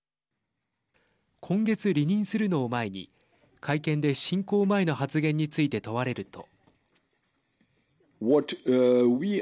今月、離任するのを前に会見で侵攻前の発言について問われると。